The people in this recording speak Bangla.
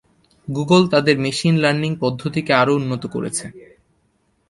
গুগল তাদের মেশিন লার্নিং পদ্ধতিকে আরও উন্নত করেছে।